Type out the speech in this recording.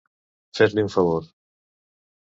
Fer-li un favor.